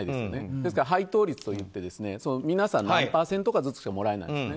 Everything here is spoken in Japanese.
ですから、配当率と言って皆さん、何パーセントかずつしかもらえないんですね。